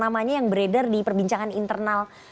namanya yang beredar di perbincangan internal